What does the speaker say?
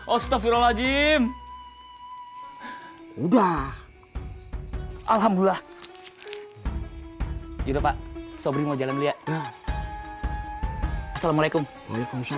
astagfirullahaladzim udah alhamdulillah juru pak sobri mau jalan lihat assalamualaikum waalaikumsalam